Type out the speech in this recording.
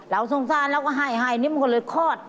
เราสงสารแล้วก็ให้นี่มันก็เลยคลอด